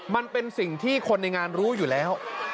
มันเป็นสิ่งที่คนในงานรู้อยู่แล้ว